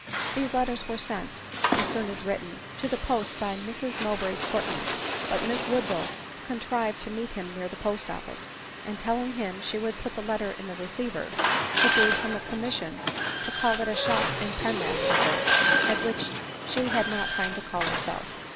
These letters were sent, as soon as Written, to the post by Mrs Mowbray's footman ; but Miss Woodville con trived to meet him near the post office, and telling him she would put the letter in the receiver, she gave him a commission to call at a shop in Penrith for her, at which she had not time to call herself.